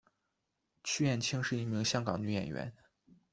区燕青是一名香港女演员。